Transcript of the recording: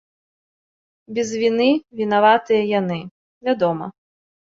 Без віны вінаватыя яны, вядома.